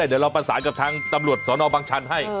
เดี๋ยวเราประสานกับทางตำรวจสนบังชันให้